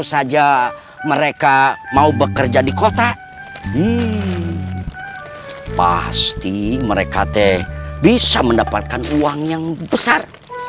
saja mereka mau bekerja di kota pasti mereka teh bisa mendapatkan uang yang besar